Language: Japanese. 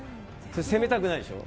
攻めたくないでしょう。